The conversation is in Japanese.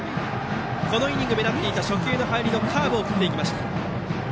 このイニング目立っていた初球の入りのカーブを振りました。